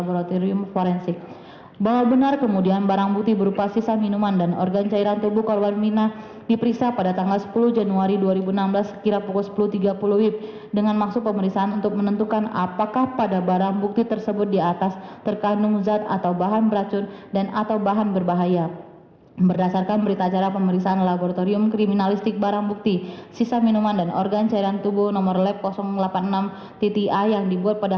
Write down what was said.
bahwa benar tabel hasil pemeriksaan barang bukti berdasarkan berita acara pemeriksaan laboratorium kriminalistik barang bukti sisa minuman dan organ cairan tubuh nomor lab delapan puluh enam a